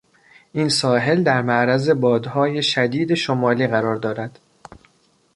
این ساحل در معرض بادهای شدید شمالی قرار دارد.